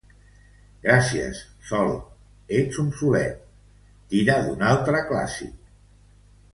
Gràcies, Sol, ets un solet —tira d'un altre clàssic.